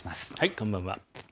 こんばんは。